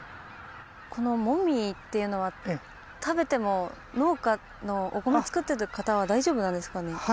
このモミっていうのは食べても農家のお米作ってる方は大丈夫なんですかね。